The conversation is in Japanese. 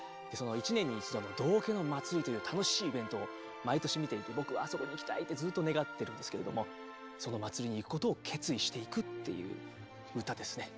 １年に１度の道化の祭りという楽しいイベントを毎年見ていて僕はあそこに行きたいってずっと願ってるんですけれどもその祭りに行くことを決意していくっていう歌ですね。